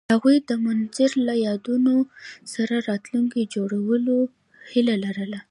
هغوی د منظر له یادونو سره راتلونکی جوړولو هیله لرله.